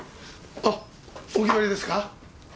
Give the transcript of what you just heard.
あっお決まりですか？